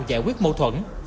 giải quyết bâu thuẫn